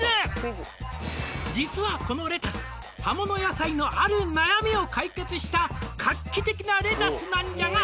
「実はこのレタス」「葉物野菜のある悩みを解決した」「画期的なレタスなんじゃが」